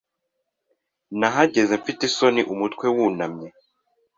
Nahagaze mfite isoni umutwe wunamye